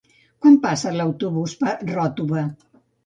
Quan passa l'autobús per Ròtova?